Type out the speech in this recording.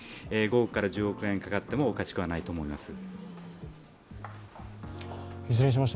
５億から１０億円かかっても、おかしくはないと思います。